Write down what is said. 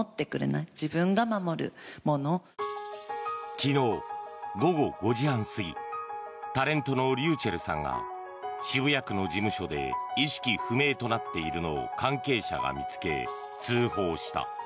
昨日午後５時半過ぎタレントのｒｙｕｃｈｅｌｌさんが渋谷区の事務所で意識不明となっているのを関係者が見つけ通報した。